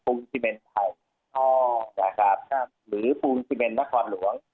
ภูมิเมนไทยอ๋อน่ะครับครับหรือภูมิเมนนครรภ์หลวง